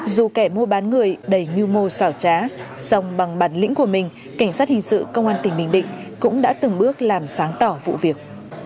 dù kẻ mua bán người đầy mưu mô xảo trá song bằng bản lĩnh của mình cảnh sát hình sự công an tỉnh bình định cũng đã từng bước làm sáng tỏ vụ việc